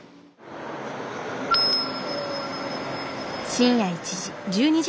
深夜１時。